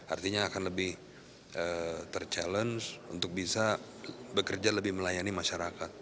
artinya akan lebih ter challenge untuk bisa bekerja lebih melayani masyarakat